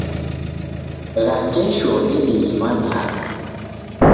Gha kesho ndedighimanyagha.